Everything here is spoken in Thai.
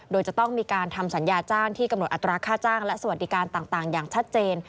โดยจะต้องมีการทำสัญญาจ้างที่กำหนดอัตราค่าจ้างและสวัสดิการต่างอย่างชัดเจน